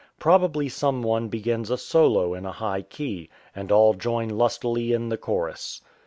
Probably some one begins a solo in a high key, and all join lustily in the chorus.